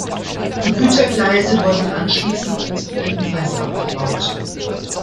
Die Gütergleise wurden anschließend ebenfalls abgebaut.